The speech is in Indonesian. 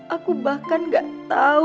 aku bahkan gak tau